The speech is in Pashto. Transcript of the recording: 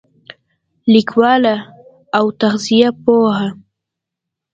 لیکواله او تغذیه پوهه